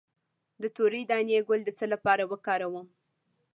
د تورې دانې ګل د څه لپاره وکاروم؟